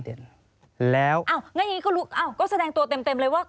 อ้าวก็แสดงตัวเต็มเลยว่า